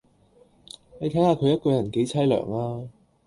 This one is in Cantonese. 你睇下佢一個人幾淒涼呀